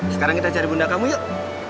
sekarang kita cari bunda kamu yuk